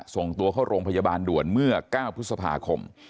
ส่งตัวเข้าโรงพยาบาลด่วนเมื่อ๙พฤษภาคม